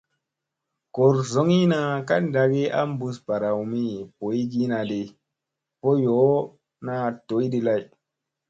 Goor zogina ka ɗagi a bus baraw mi boyginadi, vo yoona doydi lay.